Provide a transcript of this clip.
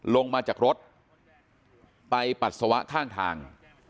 ลงมาจากรถไปปัสสาวะข้างทาง